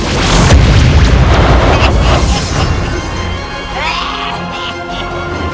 kau akan menang